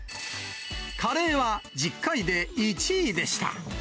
カレーは１０回で１位でした。